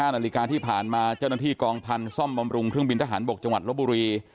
นาฬิกาที่ผ่านมาเจ้าหน้าที่กองพันธ์ซ่อมบำรุงเครื่องบินทหารบกจังหวัดลบบุรี